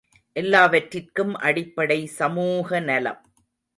எல்லாவற்றிற்கும் அடிப்படை சமூக நலம்.